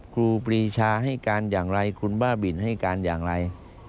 ครูปรีชาให้การอย่างไรคุณบ้าบินให้การอย่างไร